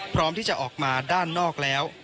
พร้อมที่จะออกมาด้านนอกแล้ว